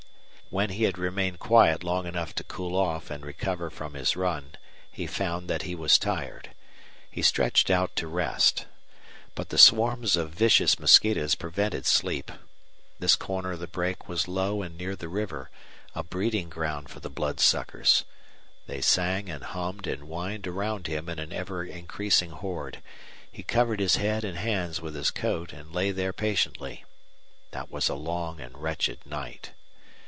He had remained quiet long enough to cool off and recover from his run he found that he was tired. He stretched out to rest. But the swarms of vicious mosquitoes prevented sleep. This corner of the brake was low and near the river, a breeding ground for the blood suckers. They sang and hummed and whined around him in an ever increasing horde. He covered his head and hands with his coat and lay there patiently. That was a long and wretched night.